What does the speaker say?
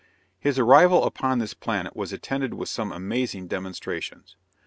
His arrival upon this planet was attended with some very amazing demonstrations.